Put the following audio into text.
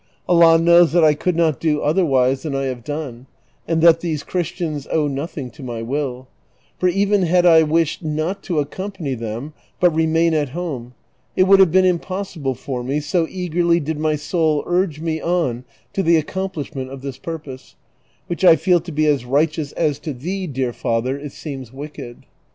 Allah knows that I could not do otherwise than I have done, and that these Christians owe nothing to my will ; for even had I wished not to accompany them, but remain at home, it would have been impossible for me, so eagerly did my soul urge me on to the accomjjlishment of this purpose, which I feel to be as righteous as to thee, dear father, it seems wicked."